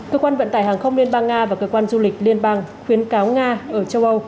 cơ quan vận tải hàng không liên bang nga và cơ quan du lịch liên bang khuyến cáo nga ở châu âu